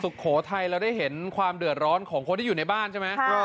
สุโขทัยเราได้เห็นความเดือดร้อนของคนที่อยู่ในบ้านใช่ไหม